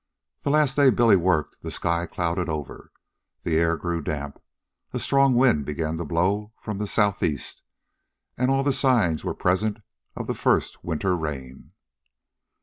The last day Billy worked, the sky clouded over, the air grew damp, a strong wind began to blow from the southeast, and all the signs were present of the first winter rain.